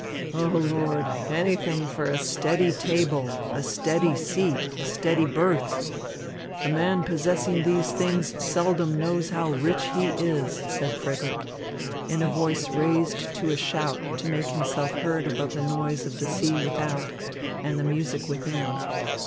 "O Lord, anything for a steady table, a steady seat, a steady berth! The man possessing these things seldom knows how rich he is," said Frederick, in a voice raised to a shout to make himself heard above the noise of the sea without and the music within.